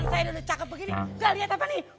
saya udah cakep begini gak liat apa apanya